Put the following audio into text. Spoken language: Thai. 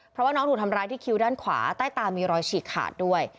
เพราะว่าน้องถูกทำร้ายที่คิ้วด้านขวาใต้ตามีรอยฉีกขาดด้วย